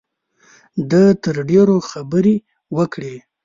ده تر ډېرو خبرې وکړې.